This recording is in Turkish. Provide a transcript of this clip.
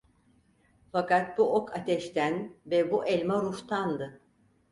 Fakat bu ok ateşten ve bu elma ruhtandı.